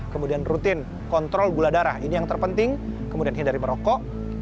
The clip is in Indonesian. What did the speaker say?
kemudian rutin kontrol gula darah ini yang terpenting kemudian hindari merokok